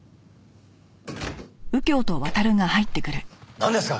なんですか？